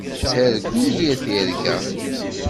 Ttargun yir tirga.